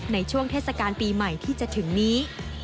ในช่วงเทศกาลปีใหม่ที่จะถึงนี้